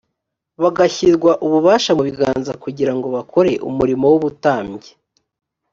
bagashyirwa ububasha mu biganza kugira ngo bakore umurimo w’ubutambyi